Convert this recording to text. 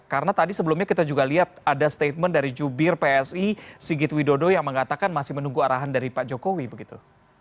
karena tadi sebelumnya kita juga lihat ada statement dari jubir psi sigit widodo yang mengatakan masih menunggu arahan dari pak jokowi begitu